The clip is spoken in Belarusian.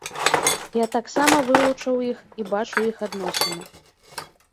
Я таксама вывучыў іх і бачу іх адносіны.